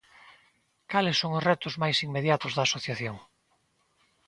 Cales son os retos máis inmediatos da asociación?